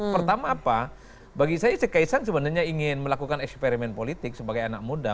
pertama apa bagi saya kaisang sebenarnya ingin melakukan eksperimen politik sebagai anak muda